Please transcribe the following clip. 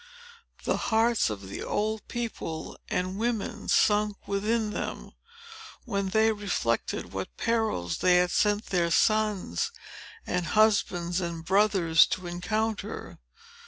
The hearts of the old people and women sunk within them, when they reflected what perils they had sent their sons, and husbands, and brothers, to encounter.